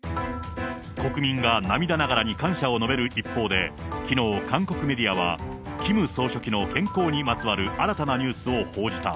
国民が涙ながらに感謝を述べる一方で、きのう、韓国メディアは、キム総書記の健康にまつわる新たなニュースを報じた。